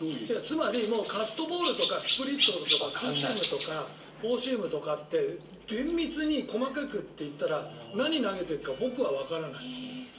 つまりカットボールとかスプリットとかツーシームとかフォーシームとかって厳密に細かくっていったら何を投げているか僕はわからない。